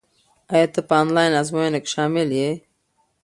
ایا ته په انلاین ازموینه کې شامل یې؟